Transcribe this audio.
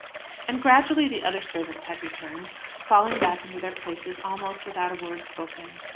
And gradually the other servants had returned, falling back into their places almost without a word spoken.